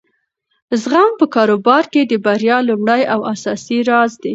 زغم په کاروبار کې د بریا لومړی او اساسي راز دی.